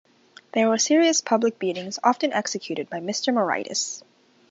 There were serious public beatings often executed by Mr. Moraitis.